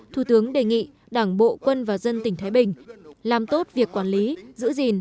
thủ tướng đề nghị đảng bộ quân và dân tỉnh thái bình làm tốt việc quản lý giữ gìn